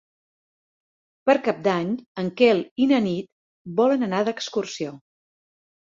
Per Cap d'Any en Quel i na Nit volen anar d'excursió.